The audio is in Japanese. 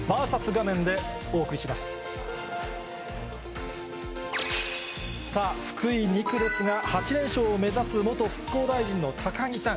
さあ、福井２区ですが、８連勝を目指す元復興大臣の高木さん。